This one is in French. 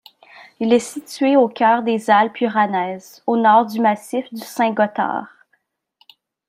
Il est situé au cœur des Alpes uranaises, au nord du massif du Saint-Gothard.